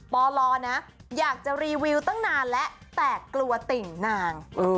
ปลนะอยากจะรีวิวตั้งนานแล้วแต่กลัวติ่งนาง